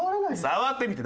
触ってみて！